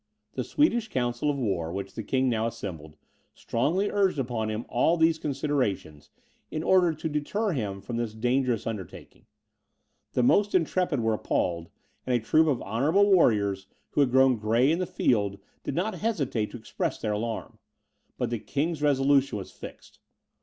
The Swedish council of war, which the king now assembled, strongly urged upon him all these considerations, in order to deter him from this dangerous undertaking. The most intrepid were appalled, and a troop of honourable warriors, who had grown gray in the field, did not hesitate to express their alarm. But the king's resolution was fixed.